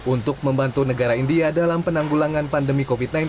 untuk membantu negara india dalam penanggulangan pandemi covid sembilan belas